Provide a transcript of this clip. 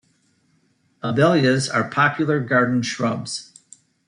Abelias are popular garden shrubs.